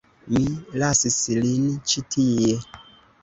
Mi lasis lin ĉi tie.